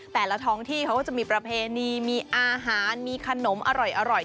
แต่ละท้องที่เขาก็จะมีประเพณีมีอาหารมีขนมอร่อย